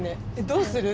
「どうする？」。